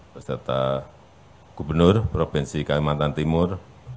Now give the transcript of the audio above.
beserta gubernur provinsi kalimantan timur